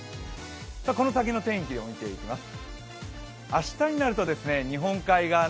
この先の天気を見ていきます。